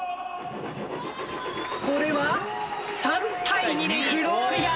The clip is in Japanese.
これは３対２でフローリアーズ。